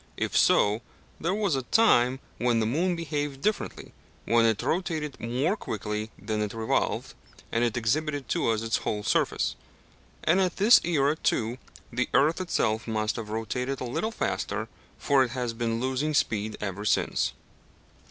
If so, there was a time when the moon behaved differently when it rotated more quickly than it revolved, and exhibited to us its whole surface. And at this era, too, the earth itself must have rotated a little faster, for it has been losing speed ever since.